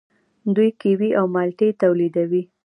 دوی کیوي او مالټې تولیدوي.